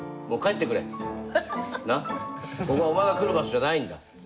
ここはお前が来る場所じゃないんだ。